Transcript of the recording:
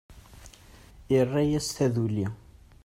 Irra-yas taduli.